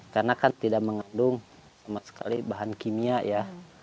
karena kan tidak mengandung sama sekali bahan kimia ya